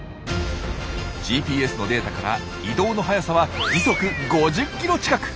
ＧＰＳのデータから移動の速さは時速５０キロ近く。